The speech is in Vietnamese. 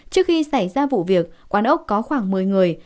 trước khi xảy ra vụ việc quán ốc có khoảng một mươi người